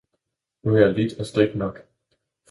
nu har jeg lidt og stridt nok!